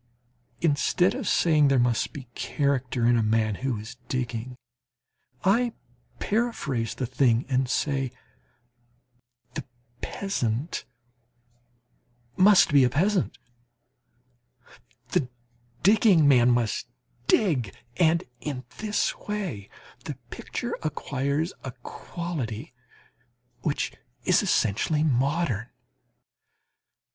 Instead of saying, there must be character in a man who is digging, I paraphrase the thing and say, the peasant must be a peasant, the digging man must dig, and in this way the picture acquires a quality which is essentially modern.